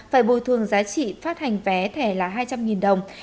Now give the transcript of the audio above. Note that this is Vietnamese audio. phải bồi thường giá trị phát hành vé thẻ là hai trăm linh đồng